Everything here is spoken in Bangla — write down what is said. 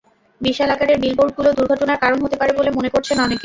বিশাল আকারের বিলবোর্ডগুলো দুর্ঘটনার কারণ হতে পারে বলে মনে করছেন অনেকে।